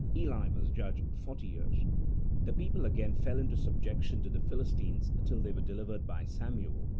Eli was judge The people again fell into subjection to the Philis tines, till they were delivered by Samuel